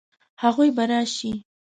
هغوی به راشي؟